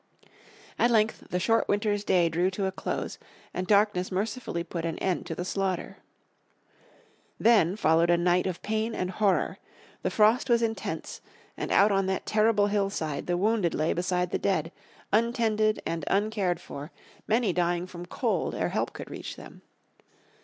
At length the short winter's day drew to a close, and darkness mercifully put an end to the slaughter. Then followed a night of pain and horror. The frost was intense, and out on that terrible hillside the wounded lay beside the dead, untended and uncared for, many dying from cold ere help could reach them.